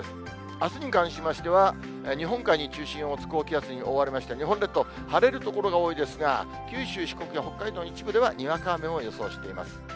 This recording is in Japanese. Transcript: あすに関しましては、日本海に中心を持つ高気圧に覆われまして、日本列島、晴れる所が多いですが、九州、四国や北海道の一部では、にわか雨を予想しています。